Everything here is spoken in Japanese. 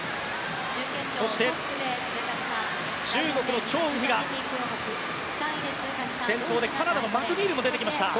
そして中国のチョウ・ウヒが先頭でカナダのマクニールも出てきました。